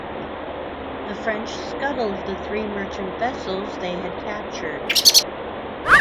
The French scuttled the three merchant vessels they had captured.